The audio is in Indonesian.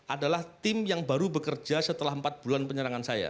adalah tim yang baru bekerja setelah empat bulan penyerangan saya